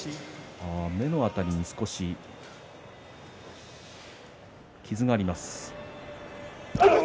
目の辺り少し傷があります。